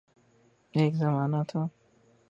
ایک زمانہ تھا